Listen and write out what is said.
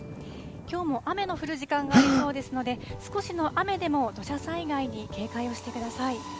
きょうも雨の降る時間がありそうですので、少しの雨でも土砂災害に警戒してください。